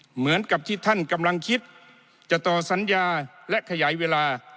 เหมือนกับที่ท่านกำลังคิดจะต่อสัญญาและขยายเวลา